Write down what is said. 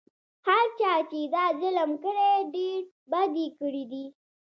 هر چا چې دا ظلم کړی ډېر بد یې کړي دي.